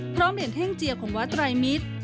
พร้อมเหลี่ยนแห้งเจียของวาดไตรมิตร